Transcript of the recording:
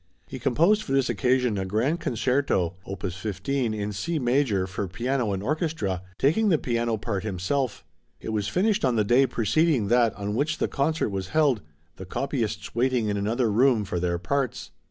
He composed for this occasion a Grand Concerto (opus 15) in C major for piano and orchestra, taking the piano part himself. It was finished on the day preceding that on which the concert was held, the copyists waiting in another room for their parts.